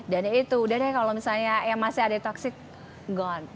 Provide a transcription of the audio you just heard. dan itu udah deh kalo misalnya yang masih ada toxic gone